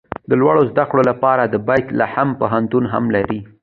د لوړو زده کړو لپاره د بیت لحم پوهنتون هم لري.